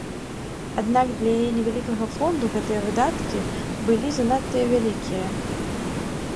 Аднак для яе невялікага фонду гэтыя выдаткі былі занадта вялікія.